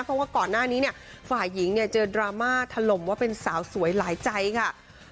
เพราะว่าก่อนหน้านี้เนี่ยฝ่ายหญิงเนี่ยเจอดราม่าถล่มว่าเป็นสาวสวยหลายใจค่ะ